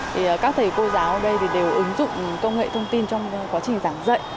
thì các thầy cô giáo ở đây thì đều ứng dụng công nghệ thông tin trong quá trình giảng dạy